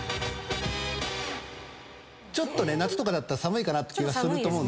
ちょっとね夏とかだったら寒いかなって気はすると思うけど。